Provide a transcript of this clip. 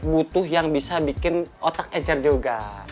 butuh yang bisa bikin otak ecer juga